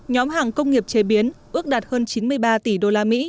nhóm hàng công nghiệp chế biến ước đạt hơn chín mươi ba tỷ usd